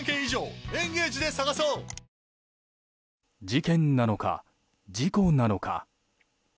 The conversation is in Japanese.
事件なのか、事故なのか。